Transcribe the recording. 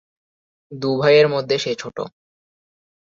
দু’ভাইয়ের মধ্যে সে ছোট।